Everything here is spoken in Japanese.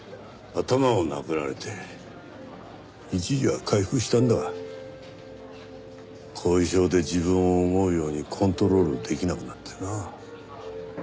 頭を殴られて一時は回復したんだが後遺症で自分を思うようにコントロールできなくなってな。